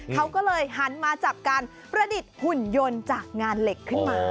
เขาก็เลยหันมาจับการประดิษฐ์หุ่นยนต์จากงานเหล็กขึ้นมา